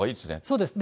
そうです。